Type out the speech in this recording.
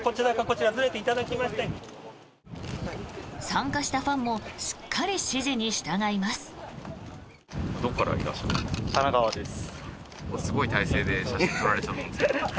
参加したファンもしっかり指示に従います。